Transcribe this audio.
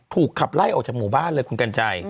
ถูกขับไล่ออกจากหมู่บ้านเลยคุณกัญชัย